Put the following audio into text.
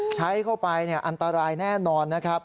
ใช้ไปอันตรายแน่นอน